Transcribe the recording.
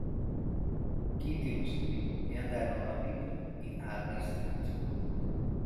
Kitty lo seguì e andarono a vivere in Harley Street.